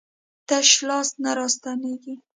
تش لاس نه راستنېږي.